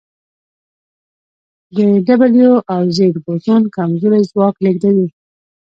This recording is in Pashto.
د ډبلیو او زیډ بوزون کمزوری ځواک لېږدوي.